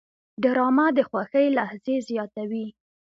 ډرامه د خوښۍ لحظې زیاتوي